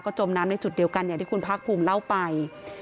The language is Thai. จมน้ำในจุดเดียวกันอย่างที่คุณภาคภูมิเล่าไป